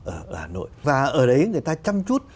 ở hà nội và ở đấy người ta chăm chút